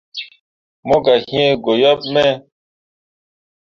Mo gah yĩĩ goyaɓ me.